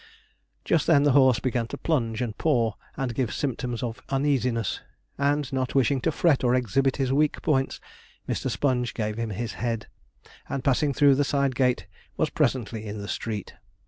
Just then the horse began to plunge, and paw, and give symptoms of uneasiness, and not wishing to fret or exhibit his weak points, Mr. Sponge gave him his head, and passing through the side gate was presently in the street.